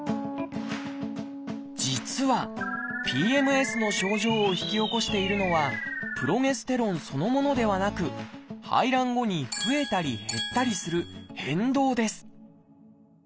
実はＰＭＳの症状を引き起こしているのはプロゲステロンそのものではなく排卵後に増えたり減ったりする変動です